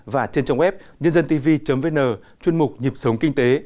và trên trang web nhândântv vn chuyên mục nhịp sống kinh tế